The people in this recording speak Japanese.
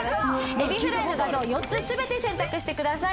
エビフライの画像を４つ全て選択してください。